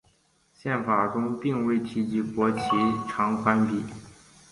宪法中并未提及国旗长宽比。